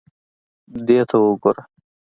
دې ته وګوره.